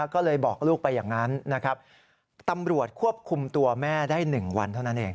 ก็เลยบอกลูกไปอย่างนั้นนะครับตำรวจควบคุมตัวแม่ได้๑วันเท่านั้นเอง